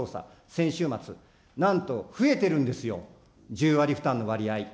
先週末、なんと増えてるんですよ、１０割負担の割合。